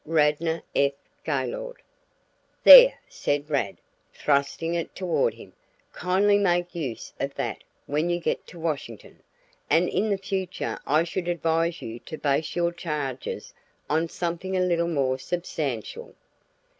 "RADNOR F. GAYLORD." "There," said Rad, thrusting it toward him, "kindly make use of that when you get to Washington, and in the future I should advise you to base your charges on something a little more substantial."